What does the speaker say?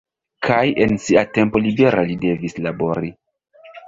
Kaj en sia tempo libera li devis labori.